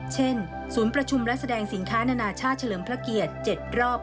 ศูนย์ประชุมและแสดงสินค้านานาชาติเฉลิมพระเกียรติ๗รอบ